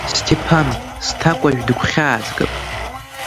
Сҭеԥан сҭакәажә дыгәхьаазгаз.